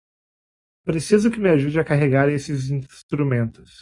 Preciso que me ajude a carregar estes instrumentos.